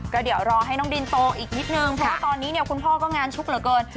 ก็เดี๋ยวรอให้น้องดินโตอีกนิดนึงเพราะว่าตอนนี้เนี่ยคุณพ่อก็งานชุกเหลือเกิน